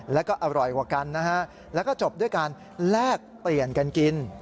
แล้วก็อร่อยกว่ากันนะฮะแล้วก็จบด้วยการแลกเปลี่ยนกันกิน